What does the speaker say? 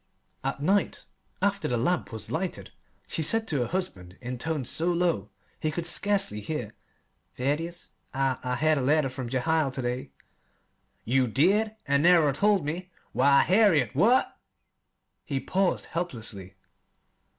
At night, after the lamp was lighted, she said to her husband in tones so low he could scarcely hear: "Thaddeus, I I had a letter from Jehiel to day." "You did and never told me? Why, Harriet, what " He paused helplessly.